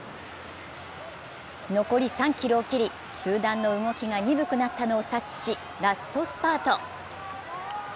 残り３ｋｍを切り集団の動きが鈍くなったのを察知しラストスパート。